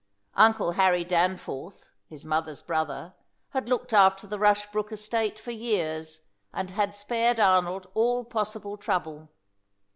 Uncle Harry Danforth, his mother's brother, had looked after the Rushbrook estate for years, and had spared Arnold all possible trouble.